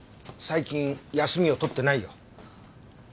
最近休みを取ってないよ。